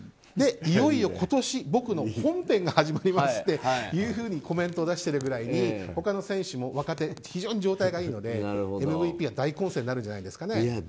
いよいよ今年、僕の本編が始まりますというふうにコメントを出してるくらいに他の若手の選手も非常に状態がいいのでＭＶＰは大混戦になるんじゃないですかね。